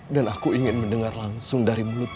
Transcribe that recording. dan aku ingin mendengar langsung dari mulut dia